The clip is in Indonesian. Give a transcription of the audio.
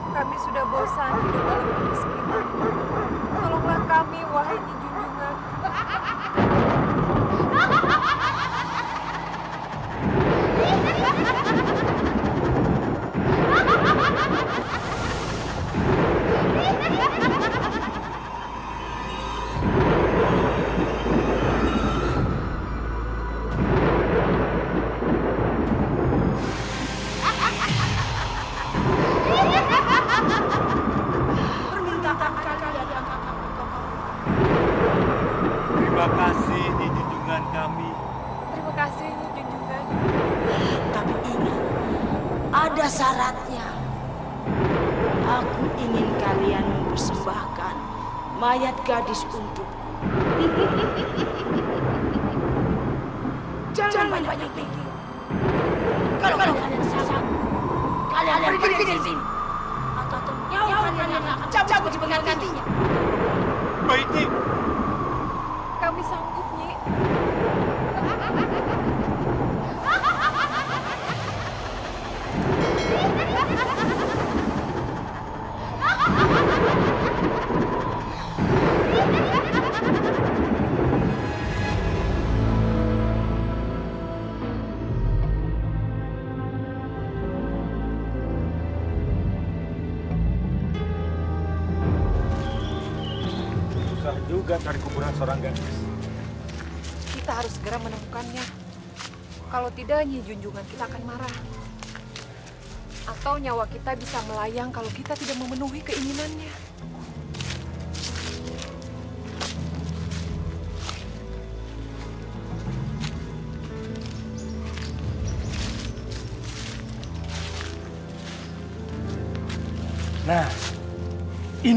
jangan lupa like share dan subscribe channel ini untuk dapat info terbaru dari kami